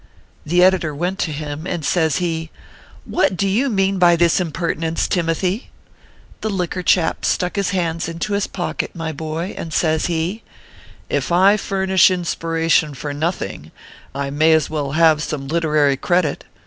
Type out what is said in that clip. v\ The editor went to .him, and says he :" What do you mean by this impertinence, Tim othy ?" The liquor chap stuck his hands into his pockets, my boy, and says he :" If I furnish inspiration for nothing, I may as well have some literary credit.